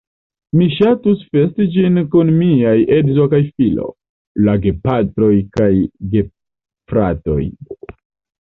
Mi ŝatus festi ĝin kun miaj edzo kaj filo, la gepatroj kaj gefratoj.